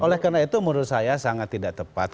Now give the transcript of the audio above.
oleh karena itu menurut saya sangat tidak tepat